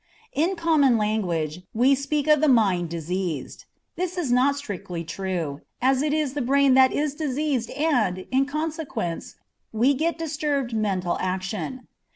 In common language we speak of the mind diseased. This is not strictly true, as it is the brain that is diseased and, in consequence, we get disturbed mental action.